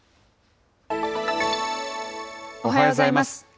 おはようございます。